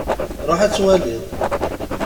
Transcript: Ruḥ ad twaliḍ.